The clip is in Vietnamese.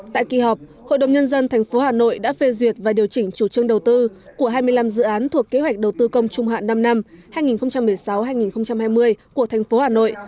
tại kỳ họp hội đồng nhân dân tp hà nội đã phê duyệt và điều chỉnh chủ trương đầu tư của hai mươi năm dự án thuộc kế hoạch đầu tư công trung hạn năm năm hai nghìn một mươi sáu hai nghìn hai mươi của thành phố hà nội